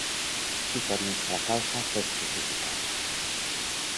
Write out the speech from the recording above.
y por nuestra causa fue crucificado